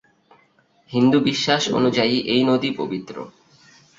হিন্দু বিশ্বাস অনুযায়ী এই নদী পবিত্র।